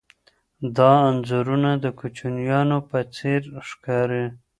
دا انځورونه د کوچنیانو په څېر ښکاري.